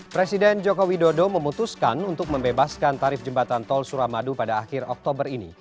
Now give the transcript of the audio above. presiden joko widodo memutuskan untuk membebaskan tarif jembatan tol suramadu pada akhir oktober ini